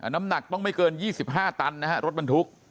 น้ำหนักต้องไม่เกิน๒๕ตันนะฮะรถบรรทุก